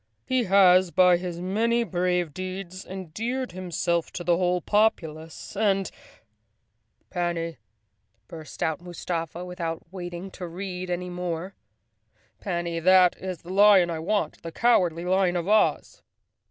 He has, by his many brave deeds, endeared hims elf to the whole populace and—" "Panny!" burst out Mustafa, without waiting to read any more, " Panny, that is the lion I want, the Cow¬ ardly Lion of Oz!"